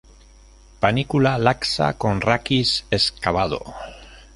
Panícula laxa con raquis excavado.